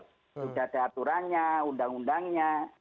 sudah ada aturannya undang undangnya